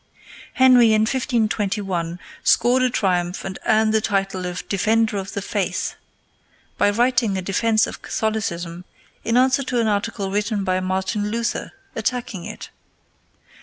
Henry, in 1521, scored a triumph and earned the title of Defender of the Faith by writing a defence of Catholicism in answer to an article written by Martin Luther attacking it.